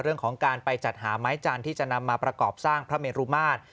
เรื่องของการไปจัดหาไม้จันทร์ที่จะนำมาประกอบสร้างพระเมรุมาตร